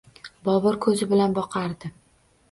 Bobur koʻzi bilan boqardi.